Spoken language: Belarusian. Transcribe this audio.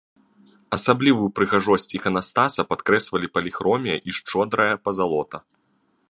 Асаблівую прыгажосць іканастаса падкрэслівалі паліхромія і шчодрая пазалота.